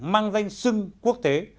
mang danh sưng quốc tế